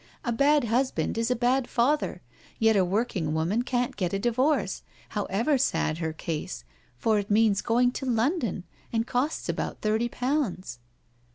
A bad husband is a bad father, yet a working woman can't get a divorce, however sad her case, for it means going to London, and costs about thirty pounds."